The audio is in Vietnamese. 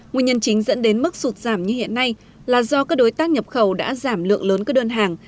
nguyên nhân chính dẫn đến mức sụt giảm như hiện nay là do các đối tác nhập khẩu đã giảm lượng lớn các đơn hàng